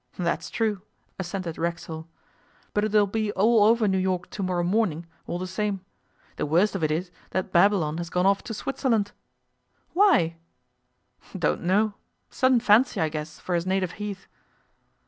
'That's true,' assented Racksole. 'But it'll be all over New York to morrow morning, all the same. The worst of it is that Babylon has gone off to Switzerland.' 'Why?' 'Don't know. Sudden fancy, I guess, for his native heath.